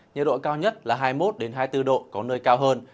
nhiệt độ cao nhất là hai mươi một hai mươi bốn độ có nơi cao hơn